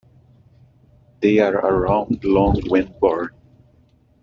They are around long when born.